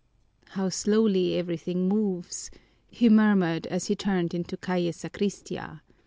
"How slowly everything moves," he murmured as he turned into Calle Sacristia.